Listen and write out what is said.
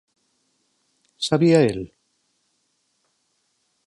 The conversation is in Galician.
¿Sabía el?